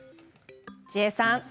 ちえさん。